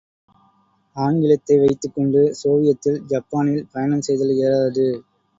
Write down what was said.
ஆங்கிலத்தை வைத்துக்கொண்டு சோவியத்தில், ஜப்பானில் பயணம் செய்தல் இயலாது.